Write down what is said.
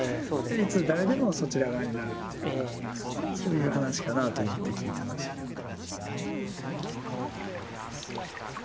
いつ誰でもそちら側になるっていうかそういう話かなと思って聞いてましたけどね。